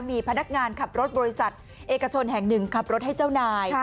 มีพนักงานขับรถบริษัทเอกชนแห่งหนึ่งขับรถให้เจ้านาย